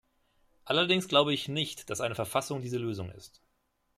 Allerdings glaube ich nicht, dass eine Verfassung diese Lösung ist.